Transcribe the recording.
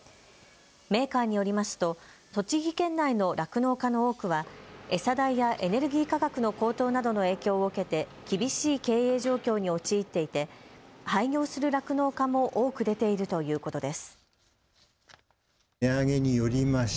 メーカーによりますと栃木県内の酪農家の多くは餌代やエネルギー価格の高騰などの影響を受けて厳しい経営状況に陥っていて廃業する酪農家も多く出ているということです。